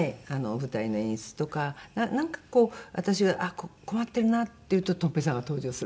舞台の演出とかなんかこう私が「あっ困ってるな」っていうととん平さんが登場する。